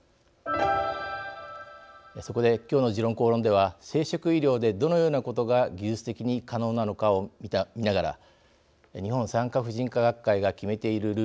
そこで今日の「時論公論」では生殖医療でどのようなことが技術的に可能なのかを見ながら日本産科婦人科学会が決めているルールと課題